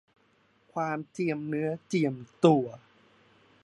ความเจียมเนื้อเจียมตัว